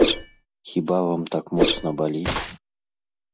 Хіба вам так моцна баліць?